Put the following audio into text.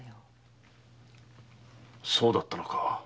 そうだったのか。